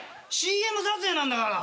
ＣＭ撮影なんだから。